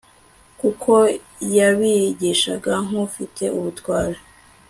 kuko yabigishaga nk ufite ubutware